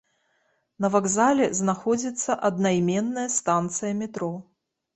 На вакзале знаходзіцца аднайменная станцыя метро.